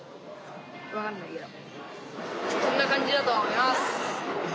こんな感じだと思います。